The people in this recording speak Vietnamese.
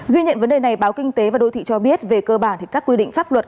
ghi nhận vấn đề này báo kinh tế và đô thị cho biết về cơ bản thì các quy định pháp luật